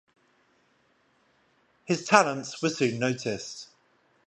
His talents were soon noticed.